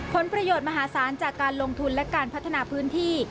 ผลประโยชน์มหาศาลจากการลงทุนและการพัฒนาพื้นที่